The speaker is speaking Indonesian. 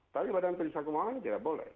tapi badan penyisian keuangan tidak boleh